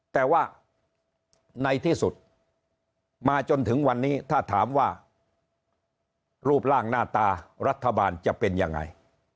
แต่ว่าในที่สุดมาจนถึงวันนี้ถ้าถามว่ารูปร่างหน้าตารัฐบาลจะเป็นยังไง